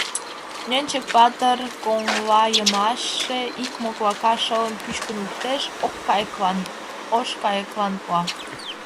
Нӧнчык-патыр коҥлайымачше ик моклака шылым пӱчкын луктеш, ош кайыклан пуа.